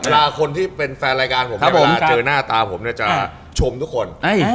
เวลาคนที่เป็นแฟนรายการผมครับผมเจอหน้าตาผมเนี่ยจะชมทุกคน